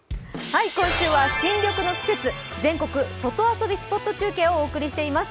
今週は新緑の季節、全国の外遊びスポットを中継しています。